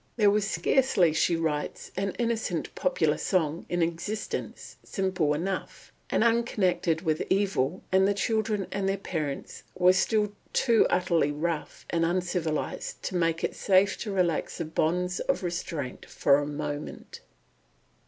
"There was scarcely," she writes, "an innocent popular song in existence, simple enough," ... "and unconnected with evil, and the children and their parents were still too utterly rough and uncivilised to make it safe to relax the bonds of restraint for a moment."